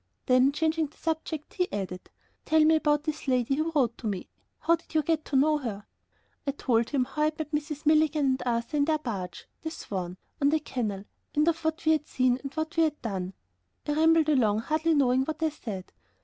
Then, changing the subject, he added: "Tell me about this lady who wrote to me; how did you get to know her?" I told him how I had met Mrs. Milligan and Arthur in their barge, the Swan, on the canal, and of what we had seen, and what we had done. I rambled along hardly knowing what I said.